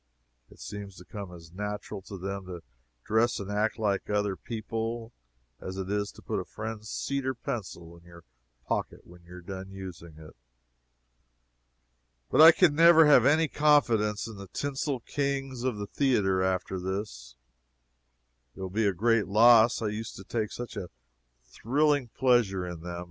It seems to come as natural to them to dress and act like other people as it is to put a friend's cedar pencil in your pocket when you are done using it. But I can never have any confidence in the tinsel kings of the theatre after this. It will be a great loss. I used to take such a thrilling pleasure in them.